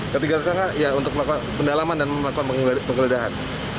ketiga tersangka untuk melakukan pendalaman dan penggeledahan